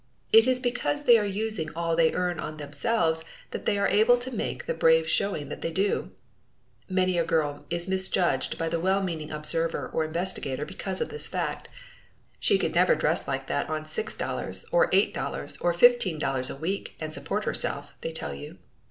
It is because they are using all they earn on themselves that they are able to make the brave showing that they do. Many a girl is misjudged by the well meaning observer or investigator because of this fact "She could never dress like that on $6, $8, or $15 a week and support herself," they tell you.